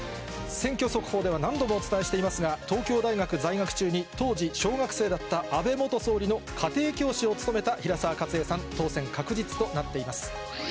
選挙速報では何度もお伝えしていますが、東京大学在学中に当時、小学生だった安倍元総理の家庭教師を務めた平沢勝栄さん、当選確実となっています。